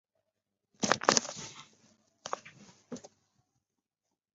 片头曲是歌手矢田悠佑的出道作。